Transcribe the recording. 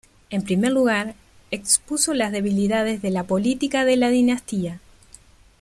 En primer lugar, expuso las debilidades de la política de la dinastía.